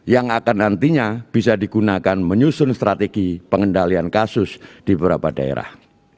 yang akan nantinya bisa digunakan menyusun strategi pengendalian kasus di beberapa daerah